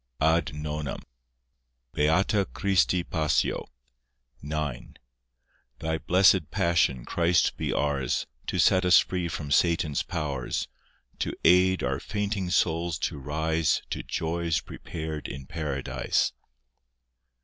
(AD NONAM) (Beata Christi passio) IX Thy blessed Passion, Christ, be ours, To set us free from Satan's powers; To aid our fainting souls to rise To joys prepared in Paradise.